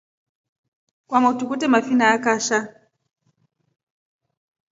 Kwamotru twete mafina akasha.